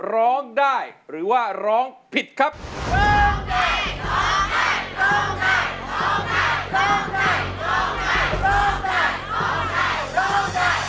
ร้องได้ร้องได้ร้อง่องได้